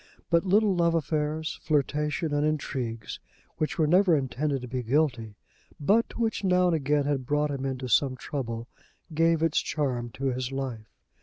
But little love affairs, flirtation, and intrigues, which were never intended to be guilty, but which now and again had brought him into some trouble, gave its charm to his life.